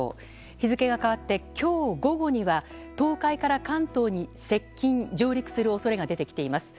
日付が変わって今日午後には東海から関東に接近、上陸する恐れが出てきています。